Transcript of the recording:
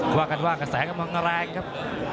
ก็ว่ากันว่ากับแสงกับมังงรังครับ